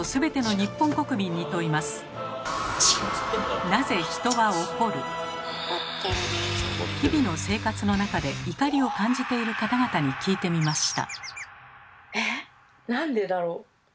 日々の生活の中で怒りを感じている方々に聞いてみました。